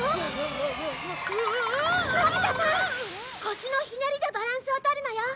腰のひねりでバランスをとるのよ。